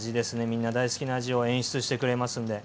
みんな大好きな味を演出してくれますんで。